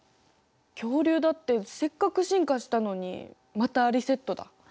恐竜だってせっかく進化したのにまたリセットだ。